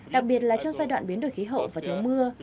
đặc biệt là trong giai đoạn biến đổi khí hậu và thiếu mưa